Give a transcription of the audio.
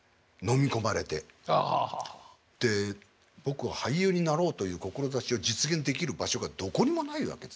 で僕は俳優になろうという志を実現できる場所がどこにもないわけです。